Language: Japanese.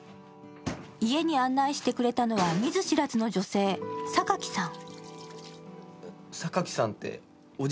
家に案内してくれたのは見ず知らずの女性・榊さん。